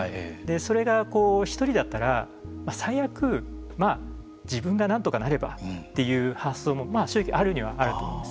それが、１人だったら最悪、まあ自分がなんとかなればという発想も正直あるにはあると思います。